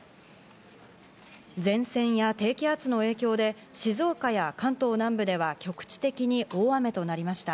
前線や低気圧の影響で静岡や関東南部では、局地的に大雨となりました。